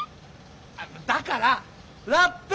だからラップ！